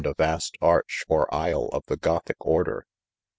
a vast arch or aisle of the Gothic order.